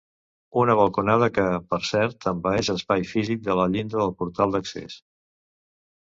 Una balconada que, per cert, envaeix l'espai físic de la llinda del portal d'accés.